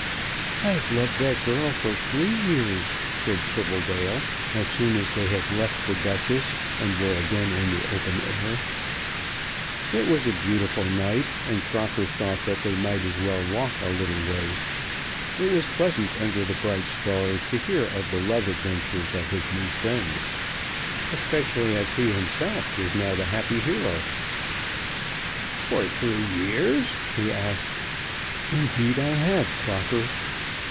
"I've loved that girl for three years," said Tribbledale, as soon as they had left "The Duchess" and were again in the open air. It was a beautiful night, and Crocker thought that they might as well walk a little way. It was pleasant under the bright stars to hear of the love adventures of his new friend, especially as he himself was now the happy hero. "For three years?" he asked. "Indeed I have, Crocker."